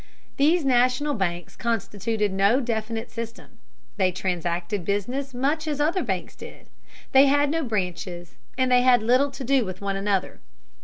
These national banks constituted no definite system: they transacted business much as other banks did, they had no branches, and they had little to do with one another.